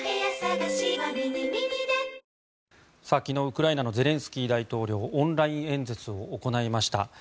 昨日、ウクライナのゼレンスキー大統領オンライン演説を行いました。